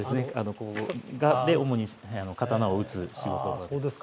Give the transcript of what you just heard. ここが主に刀を打つ仕事場です。